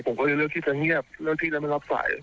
ผมก็เลยเลือกที่จะเงียบเลือกที่จะไม่รับสาย